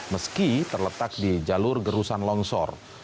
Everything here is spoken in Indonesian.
meski terletak di jalur gerusan longsor